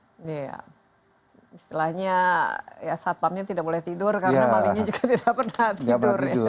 istilahnya ya saat pamit tidak boleh tidur karena malingnya juga tidak pernah tidur ya